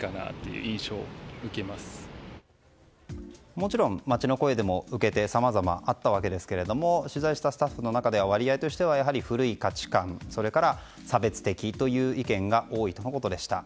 もちろん街の声でも受け手さまざまあったわけですが取材したスタッフの中でも割合ではやはり古い価値観、それから差別的という意見が多いということでした。